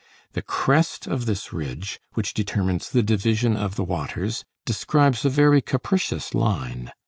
The crest of this ridge which determines the division of the waters describes a very capricious line.